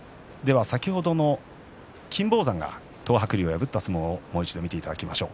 先ほどの金峰山が東白龍を破った相撲をもう一度見ていただきましょう。